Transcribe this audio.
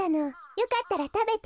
よかったらたべて。